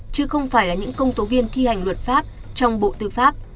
chứ không phải là những công tố viên thi hành luật pháp trong bộ tư pháp